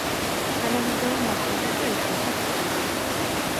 თანამედროვე მარკებზე კი იშვიათად გვხვდება.